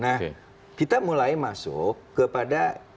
nah kita mulai masuk kepada